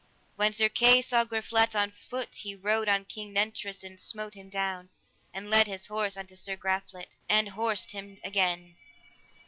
When Sir Kay saw Griflet on foot, he rode on King Nentres and smote him down, and led his horse unto Sir Griflet, and horsed him again.